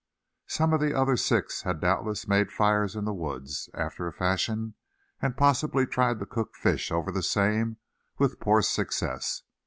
Some of the other six had doubtless made fires in the woods after a fashion, and possibly tried to cook fish over the same, with poor success.